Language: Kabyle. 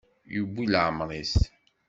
Yewwi leɛmer-is.